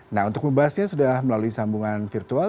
nah untuk membahasnya sudah melalui sambungan virtual